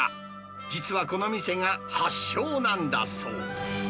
実はこの店が発祥なんだそう。